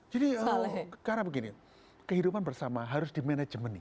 jadi oh karena begini kehidupan bersama harus di management nih